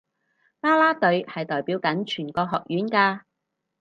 啦啦隊係代表緊全個學院㗎